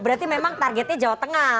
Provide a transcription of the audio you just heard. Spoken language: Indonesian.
berarti memang targetnya jawa tengah